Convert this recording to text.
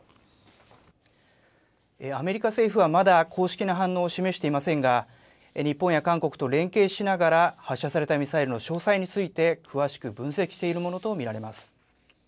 アメリカ政府はまだ、公式な反応を示していませんが、日本や韓国と連携しながら発射されたミサイルの詳細について、詳しく分析しているものと見られます。